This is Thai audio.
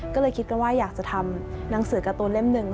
ก็เลยคิดกันว่าอยากจะทำหนังสือการ์ตูนเล่มหนึ่ง